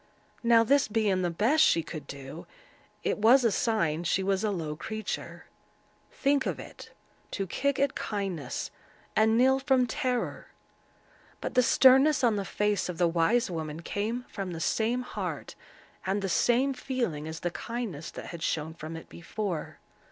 Now this being the best she could do, it was a sign she was a low creature. Think of it—to kick at kindness, and kneel from terror. But the sternness on the face of the wise woman came from the same heart and the same feeling as the kindness that had shone from it before.